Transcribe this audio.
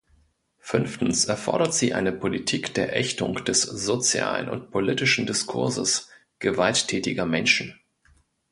Fünftens erfordert sie eine Politik der Ächtung des sozialen und politischen Diskurses gewalttätiger Menschen.